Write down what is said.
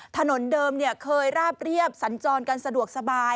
ถนนเดิมเคยราบเรียบสันจรกันสะดวกสบาย